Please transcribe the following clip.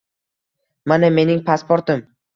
Mana mening pasportim.